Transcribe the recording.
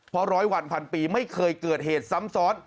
เพราะร้อยวันพันปีไม่เคยเกิดเหตุซ้ำซ้อน